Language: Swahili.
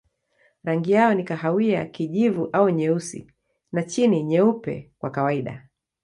Rangi yao ni kahawia, kijivu au nyeusi na chini nyeupe kwa kawaida.